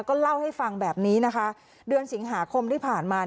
ก็เล่าให้ฟังแบบนี้นะคะเดือนสิงหาคมที่ผ่านมา